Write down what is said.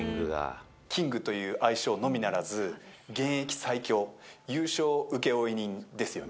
キングという愛称のみならず、現役最強、優勝請負人ですよね。